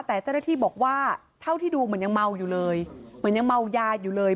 แต่เจ้าหน้าที่บอกว่าเท่าที่ดูเหมือนยังเมาอยู่เลยเหมือนยังเมายาอยู่เลย